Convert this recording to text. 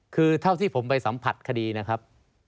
คือเท่าที่ผมไปสัมผัสคดีนะครับ